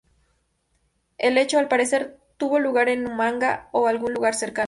El hecho, al parecer, tuvo lugar en Huamanga o en algún lugar cercano.